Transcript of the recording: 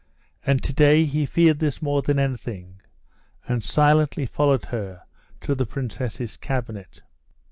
And to day he feared this more than anything, and silently followed her to the princess's cabinet.